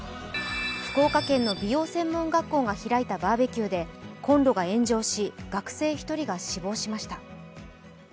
福岡県の美容専門学校が開いたバーベキューでコンロが炎上し、学生１人が死亡しました。